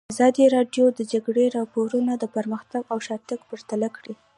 ازادي راډیو د د جګړې راپورونه پرمختګ او شاتګ پرتله کړی.